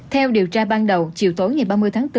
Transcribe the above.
theo điều tra ban đầu chiều tối ngày ba mươi tháng bốn